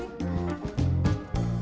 makasih ya cing